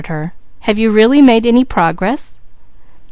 "Have you really made any progress?"